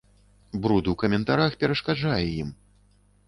Бруд у каментарах перашкаджае ім.